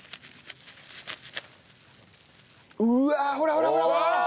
うわあほらほらほらほらほら！